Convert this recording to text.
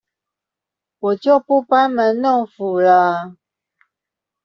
我就不班門弄斧了